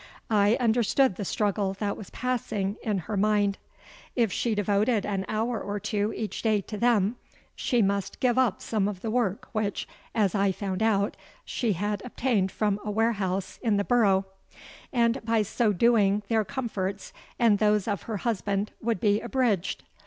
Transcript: I understood the struggle that was passing in her mind. If she devoted an hour or two each day to them, she must give up some of the work which, as I found out, she had obtained from a warehouse in the Borough; and by so doing their comforts and those of her husband would be abridged.